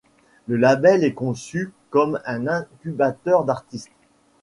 Le label est conçu comme un incubateur d'artistes.